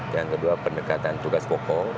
yang kedua pendekatan tugas pokok